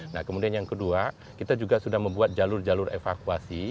nah kemudian yang kedua kita juga sudah membuat jalur jalur evakuasi